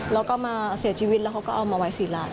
เราก็มาเสียชีวิตแล้วเขาก็เอามาไว้สิละ